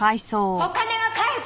お金は返す！